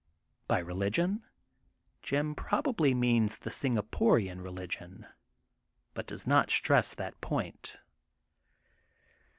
'' By religion, Jim probably means the Singaporian religion but does not stress that point.